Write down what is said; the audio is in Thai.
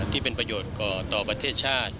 ที่เป็นประโยชน์ต่อประเทศชาติ